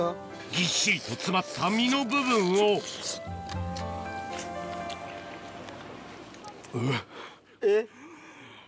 ぎっしりと詰まった身の部分をえっ？